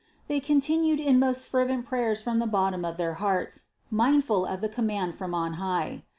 They continued in most fervent prayers from the bottom of their hearts, mindful of the com mand from on high.